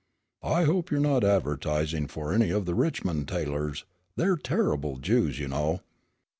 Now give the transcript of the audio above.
I hope you're not advertising for any of the Richmond tailors. They're terrible Jews, you know."